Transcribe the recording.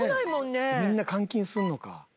みんな換金すんのか。